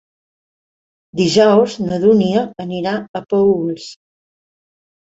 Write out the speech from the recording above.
Dijous na Dúnia anirà a Paüls.